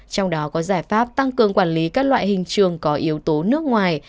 trong đó có giải pháp tăng cường quản lý các loại hình trường có yếu tố nước ngoài